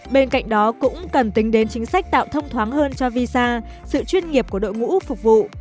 bên cạnh đó cũng cần tính đến chính sách tạo thông thoáng hơn cho visa sự chuyên nghiệp của đội ngũ phục vụ